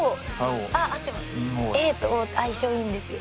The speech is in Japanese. ＡとＯって相性いいんですよ。